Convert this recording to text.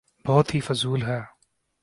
بہت ہی فضول ہے۔